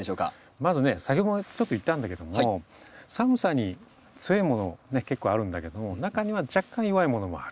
まずね先ほどもちょっと言ったんだけども寒さに強いもの結構あるんだけども中には若干弱いものもある。